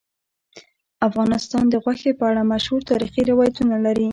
افغانستان د غوښې په اړه مشهور تاریخی روایتونه لري.